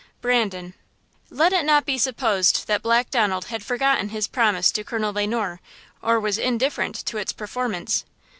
–BRANDON. LET it not be supposed that Black Donald had forgotten his promise to Colonel Le Noir, or was indifferent to its performance.